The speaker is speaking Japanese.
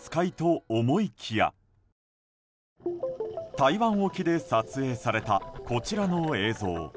台湾沖で撮影されたこちらの映像。